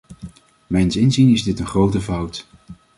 Mijns inziens is dit een grote fout.